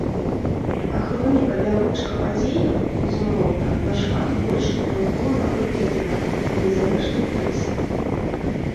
А хроніка бягучых падзеяў, безумоўна, нашмат больш грунтоўна выкладзена ў незалежнай прэсе.